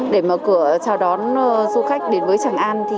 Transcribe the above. để mở cửa chào đón du khách đến với tràng an